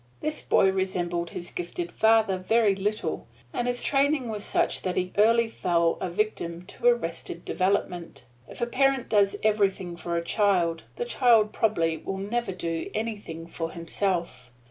This boy resembled his gifted father very little, and his training was such that he early fell a victim to arrested development. If a parent does everything for a child, the child probably will never do anything for himself.